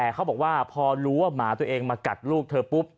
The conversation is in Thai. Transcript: เขาบอกว่าพอรู้ว่าหมาตัวเองมากัดลูกเธอปุ๊บ